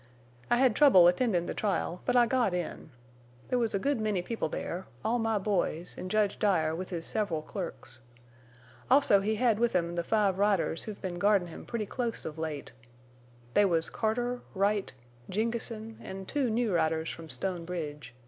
"I hed trouble attendin' the trial, but I got in. There was a good many people there, all my boys, an' Judge Dyer with his several clerks. Also he hed with him the five riders who've been guardin' him pretty close of late. They was Carter, Wright, Jengessen, an' two new riders from Stone Bridge.